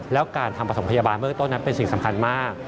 แล้วการทำประถมพยาบาลเบื้องต้นนั้นเป็นสิ่งสำคัญมาก